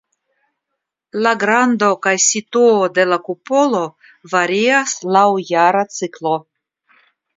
La grando kaj situo de la kupolo varias laŭ jara ciklo.